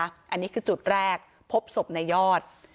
อันนี้คือจุดแรกพบศพนายยอด